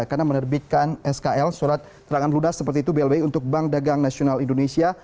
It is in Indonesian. karena menerbitkan skl surat terangan ludas seperti itu blbi untuk bank dagang nasional indonesia